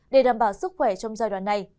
để đảm bảo sức khỏe trong giai đoạn này